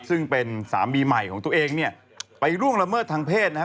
ซึ่งเป็นสามีใหม่ของตัวเองเนี่ยไปล่วงละเมิดทางเพศนะครับ